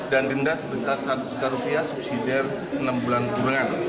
dan denda sebesar seratus juta rupiah subsidir enam bulan kurungan